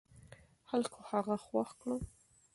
خلکو هغه خوښ کړ.